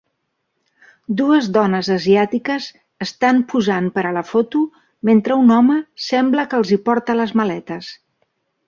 Dues dones asiàtiques estan posant per a la foto mentre un home sembla que els hi porta les maletes.